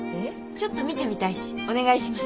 ちょっと見てみたいしお願いします。